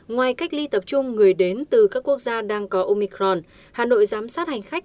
ngoài cách ly tập trung người đến từ các quốc gia đang có omicron hà nội giám sát hành khách